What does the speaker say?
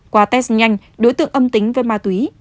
qua test nhanh đối tượng âm tính với ma túy